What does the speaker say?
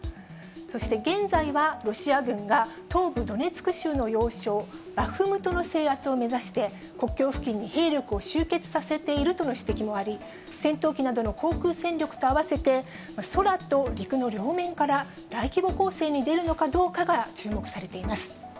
そして現在は、ロシア軍が東部ドネツク州の要衝、バフムトの制圧を目指して、国境付近に兵力を集結させているとの指摘もあり、戦闘機などの航空戦力と合わせて、空と陸の両面から大規模攻勢に出るのかどうかが注目されています。